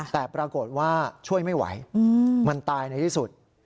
แต่ปรากฏว่าช่วยไม่ไหวมันตายในที่สุด